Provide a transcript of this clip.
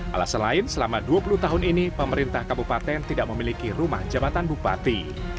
alasan lain selama dua puluh tahun ini pemerintah kabupaten tidak memiliki rumah jabatan bupati